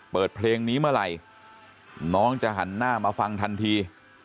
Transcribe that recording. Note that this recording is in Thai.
เปิดเพลงนี้เมื่อไหร่น้องจะหันหน้ามาฟังทันที